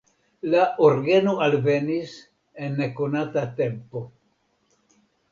La orgeno alvenis en nekonata tempo.